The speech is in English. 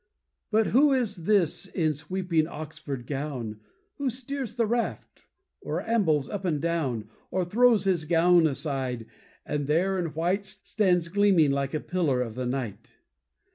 But who is this in sweeping Oxford gown Who steers the raft, or ambles up and down, Or throws his gown aside, and there in white Stands gleaming like a pillar of the night?